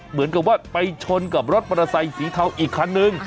เหมือนกับว่าไปชนกับรถมอเตอร์ไซค์สีเทาอีกคันนึง